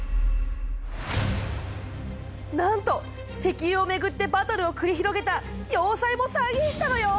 なんと石油を巡ってバトルを繰り広げた要塞も再現したのよ。